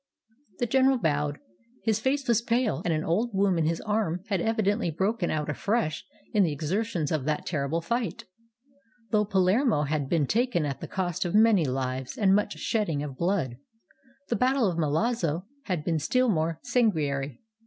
The general bowed. His face was pale, and an old wound in his arm had evidently broken out afresh in the exertions of that terrible fight. Though Palermo had been taken at the cost of many lives and much shedding of blood, the battle of Milazzo had been still more san guinary.